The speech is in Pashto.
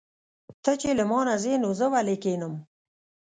ته چې له مانه ځې نو زه ولې کښېنم.